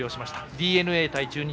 ＤｅＮＡ対中日。